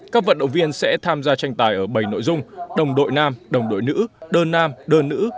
các vận động viên sẽ tham gia tranh tài ở bảy nội dung đồng đội nam đồng đội nữ đơn nam đơn nữ